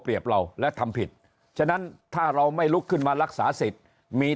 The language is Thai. เราและทำผิดฉะนั้นถ้าเราไม่ลุกขึ้นมารักษาสิทธิ์มี